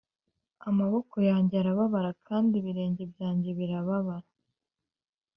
amaboko yanjye arababara kandi ibirenge byanjye birababara;